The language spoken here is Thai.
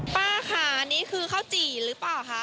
ป้าค่ะนี่คือข้าวจี่หรือเปล่าคะ